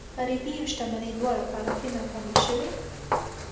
غريبي او شتمني دواړه په هغه کې ناکامې شوي.